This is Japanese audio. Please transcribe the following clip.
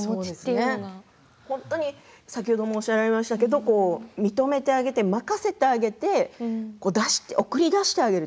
先ほどもおっしゃっていましたが認めてあげて任せてあげて送り出してあげる。